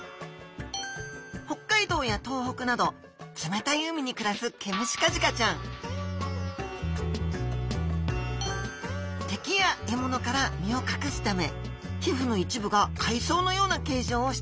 北海道や東北など冷たい海に暮らすケムシカジカちゃん敵や獲物から身を隠すため皮膚の一部が海藻のような形状をしています。